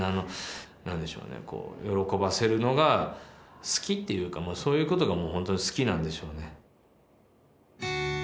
何でしょうねこう喜ばせるのが好きっていうかそういうことがもうほんとに好きなんでしょうね。